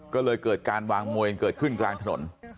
ก็เลยเกิดการวางมวยกันเกิดขึ้นกลางถนน